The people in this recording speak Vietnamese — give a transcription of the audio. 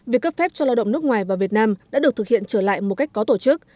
việc cấp phép cho lao động nước ngoài vào việt nam đã được thực hiện trở lại một cách có tổ chức